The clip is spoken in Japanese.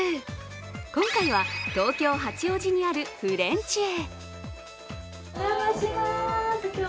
今回は東京・八王子にあるフレンチへ。